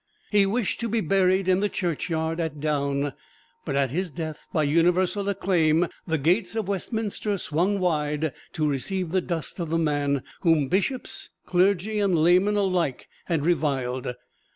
He wished to be buried in the churchyard at Down, but at his death, by universal acclaim, the gates of Westminster swung wide to receive the dust of the man whom bishops, clergy and laymen alike had reviled.